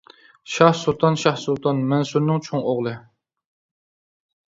شاھ سۇلتان شاھ سۇلتان مەنسۇرنىڭ چوڭ ئوغلى.